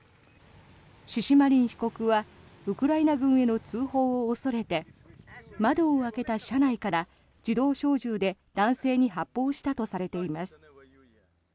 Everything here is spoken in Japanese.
シシマリン被告はウクライナ軍への通報を恐れて窓を開けた車内から自動小銃で男性に発砲したとされています。